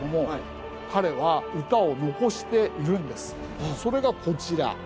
それがこちら。